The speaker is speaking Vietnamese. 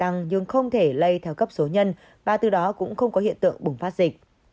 nhưng không thể lây theo cấp số nhân và từ đó cũng không có hiện tượng bùng phát dịch